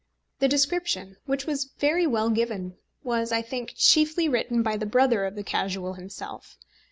The description, which was very well given, was, I think, chiefly written by the brother of the Casual himself.